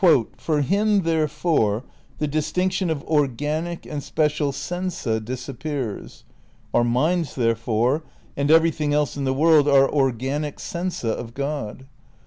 "For him, therefore, ... the distinction of organic and special sensa disappears. Our minds, therefore, and everything else in the world are 'organic sensa' of God.